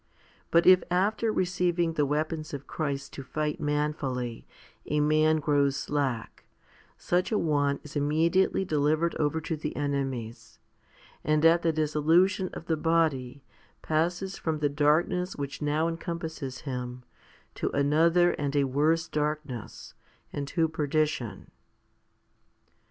But if after receiving the weapons of Christ to fight manfully a man grows slack, such a one is immediately delivered over to the enemies, and at the dissolution of the body passes from the darkness which now encompasses him to another and a worse darkness, and to perdition.